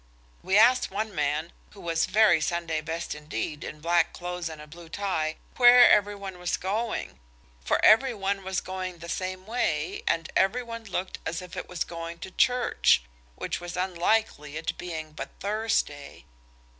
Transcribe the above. We asked one man, who was very Sunday best indeed indeed in black clothes and a blue tie, where every one was going, for every one was going the same way, and every one looked as if it was going to church, which was unlikely, it being but Thursday.